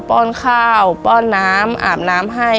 ้อนข้าวป้อนน้ำอาบน้ำให้